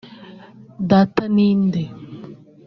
Data ninde